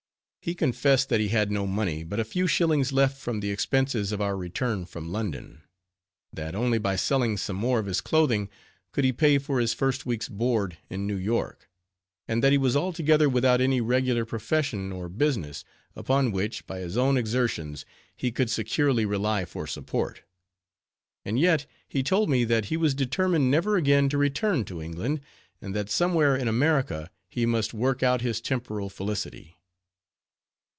He confessed that he had no money but a few shillings left from the expenses of our return from London; that only by selling some more of his clothing, could he pay for his first week's board in New York; and that he was altogether without any regular profession or business, upon which, by his own exertions, he could securely rely for support. And yet, he told me that he was determined never again to return to England; and that somewhere in America he must work out his temporal felicity.